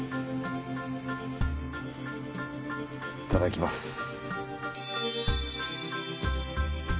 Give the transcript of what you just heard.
いただきます。